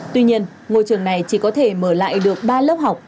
tuy nhiên ngôi trường này chỉ có thể mở lại được ba lớp học